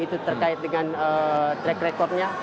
terkait dengan track recordnya